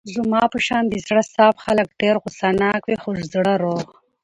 زما په شان د زړه صاف خلګ ډېر غوسه ناکه وي خو زړه روغ.